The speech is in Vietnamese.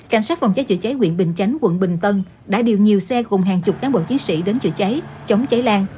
cảnh sát phòng cháy chữa cháy huyện bình chánh quận bình tân đã điều nhiều xe cùng hàng chục cán bộ chiến sĩ đến chữa cháy chống cháy lan